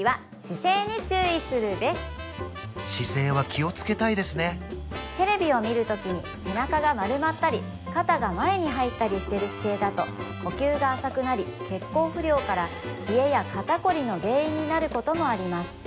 姿勢は気を付けたいですねテレビを見るときに背中が丸まったり肩が前に入ったりしている姿勢だと呼吸が浅くなり血行不良から冷えや肩こりの原因になることもあります